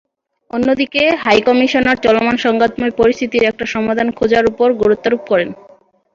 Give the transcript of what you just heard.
অন্যদিকে হাইকমিশনার চলমান সংঘাতময় পরিস্থিতির একটা সমাধান খোঁজার ওপর গুরুত্বারোপ করেন।